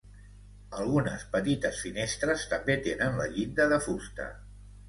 Algunes petites finestres també tenen la llinda de fusta.